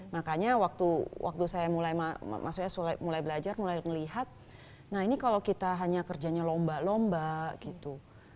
makanya waktu saya mulai maksudnya mulai belajar mulai ngelihat nah ini kalau kita hanya kerjanya lomba lomba gitu